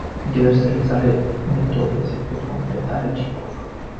Diversele sale metode se pot complementa reciproc.